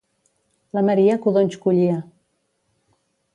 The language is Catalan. La Maria codonys collia